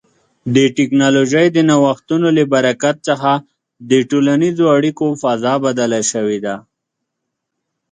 د ټکنالوژۍ د نوښتونو له برکت څخه د ټولنیزو اړیکو فضا بدله شوې ده.